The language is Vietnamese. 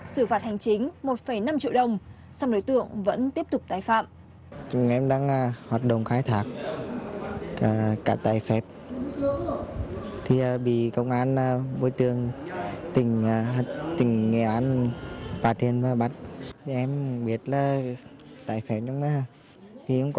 xử phạt hành chính một năm triệu đồng xong đối tượng vẫn tiếp tục trái phạm